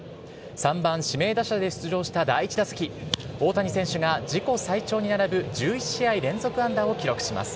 ３番指名打者で出場した第１打席、大谷選手が、自己最長に並ぶ１１試合連続安打を記録します。